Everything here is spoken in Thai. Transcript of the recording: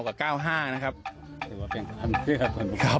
เป็นความเชื่อส่วนบุคคลครับ